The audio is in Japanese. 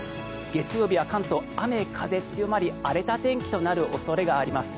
月曜日は関東雨、風強まり荒れた天気となる恐れがあります。